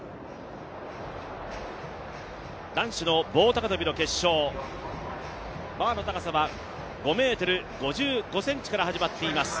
男子の棒高跳の決勝、バーの高さは５ｍ５５ｃｍから始まっています。